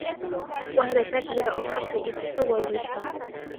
وهل أتاك نبأ الخصم إذ تسوروا المحراب